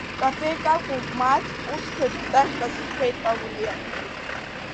Капеик акәым, мааҭк усҭоит кәтаӷьк азы, — иҳәеит ауриа.